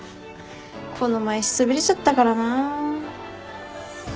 この前しそびれちゃったからな。